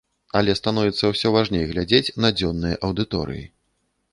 Але становіцца ўсё важней глядзець на дзённыя аўдыторыі.